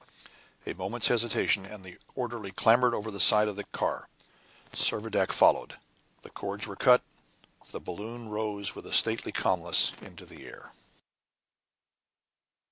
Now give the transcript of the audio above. A moment's hesitation and the orderly clambered over the side of the car. Servadac followed. The cords were cut. The balloon rose with stately calmness into the air.